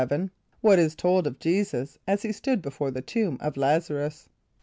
= What is told of J[=e]´[s+]us, as he stood before the tomb of L[)a]z´a r[)u]s?